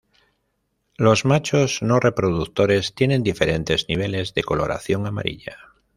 Los machos no reproductores tienen diferentes niveles de coloración amarilla.